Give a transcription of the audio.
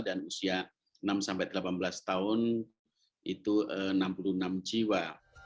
dan usia enam sampai delapan belas tahun itu enam puluh enam jiwa